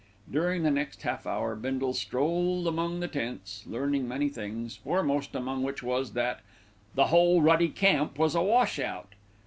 During the next half hour, Bindle strolled about among the tents learning many things, foremost among which was that "the whole ruddy camp was a washout."